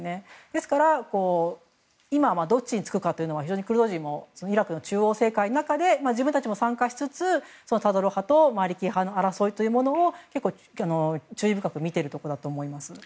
ですから、今はどっちにつくかは非常に、クルド人もイラクの中央政界の中で自分たちも参加しつつサドル派とマリキ派の争いを注意深く見ているところだと思います。